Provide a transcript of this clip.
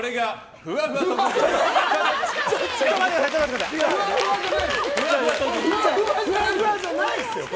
ふわふわじゃないですよ。